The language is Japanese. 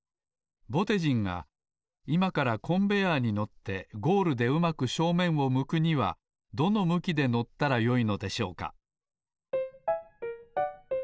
ぼてじんがいまからコンベヤーに乗ってゴールでうまく正面を向くにはどの向きで乗ったらよいのでしょうか？